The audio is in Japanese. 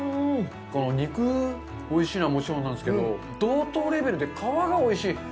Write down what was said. この肉、おいしいのはもちろんなんですけど同等レベルで皮がおいしい。